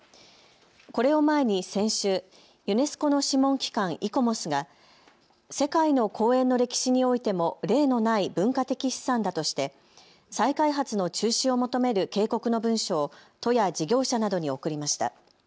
これを前に先週、ユネスコの諮問機関、イコモスが世界の公園の歴史においても例のない文化的資産だとして再開発の中止を求める警告の文書を都や事業者などに送りました。